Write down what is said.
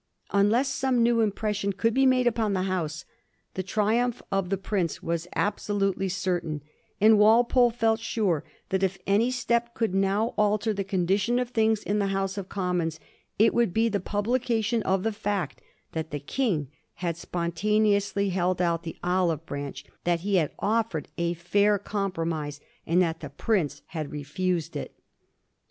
Unless some new impression could be made upon the House, the triumph of the prince was absolutely certain ; and Walpole felt sure that if any step could now alter the condition of things in the House of Commons it would be the publication of the fact that the King had spontaneously held out the olive branch ; that 1737. . FREDERICK'S << DUTIFUL EXFRESSION&'* 81 he had offered a fair compromise, and that the prince had refused it.